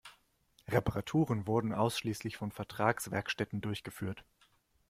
Reparaturen wurden ausschließlich von Vertragswerkstätten durchgeführt.